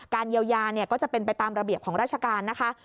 เยียวยาก็จะเป็นไปตามระเบียบของราชการนะคะ